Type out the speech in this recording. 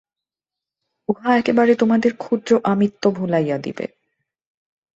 উহা একেবারে তোমাদের ক্ষুদ্র আমিত্ব ভুলাইয়া দিবে।